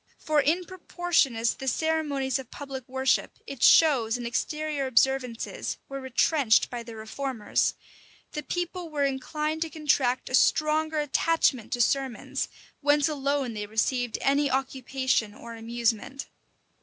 For in proportion as the ceremonies of public worship, its shows and exterior observances, were retrenched by the reformers, the people were inclined to contract a stronger attachment to sermons, whence alone they received any occupation or amusement.